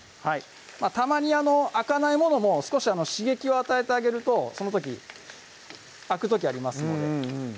たまに開かないものも少し刺激を与えてあげるとその時開く時ありますのでうんうん